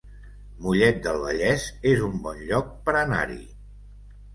Mollet del Vallès es un bon lloc per anar-hi